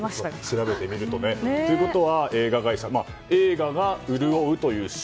調べてみると。ということは映画が潤うという週。